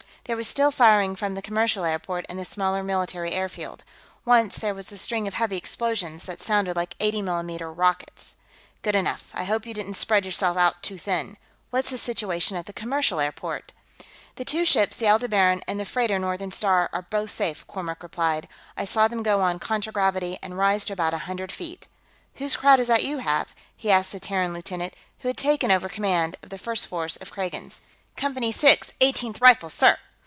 There was still firing from the commercial airport and the smaller military airfield. Once there was a string of heavy explosions that sounded like 80 mm rockets. "Good enough. I hope you didn't spread yourself out too thin. What's the situation at the commercial airport?" "The two ships, the Aldebaran and the freighter Northern Star, are both safe," Kormork replied. "I saw them go on contragravity and rise to about a hundred feet." "Whose crowd is that you have?" he asked the Terran lieutenant who had taken over command of the first force of Kragans. "Company 6, Eighteenth Rifles, sir.